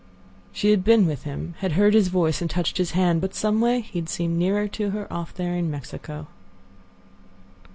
She had been with him, had heard his voice and touched his hand. But some way he had seemed nearer to her off there in Mexico.